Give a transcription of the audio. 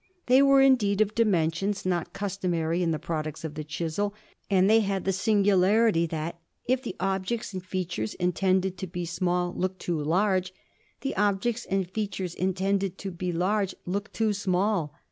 They were indeed of dimensions not customary in the products of the chisel, and they had the singularity that, if the objects and features intended to be small looked too large, the objects and features intended to be large looked too small.